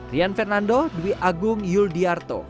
rian fernando dwi agung yul diyarto